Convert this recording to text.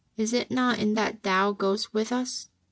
Is it not in that Thou goest with us?